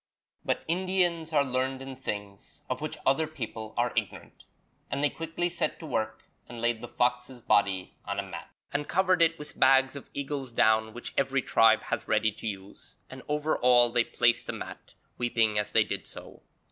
But Indians are learned in things of which other people are ignorant, and they quickly set to work and laid the fox's body on a mat, and covered it with bags of eagle's down which every tribe has ready to use, and over all they placed a mat, weeping as they did so.